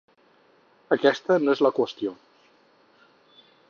Aquesta no és la qüestió.